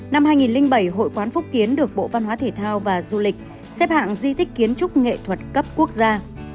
năm hai nghìn bảy hội quán phúc kiến được bộ văn hóa thể thao và du lịch xếp hạng di tích kiến trúc nghệ thuật cấp quốc gia